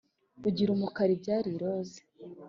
Ugira umukara ibyari iroze